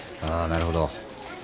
ああなるほど。